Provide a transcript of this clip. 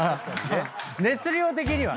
熱量的には。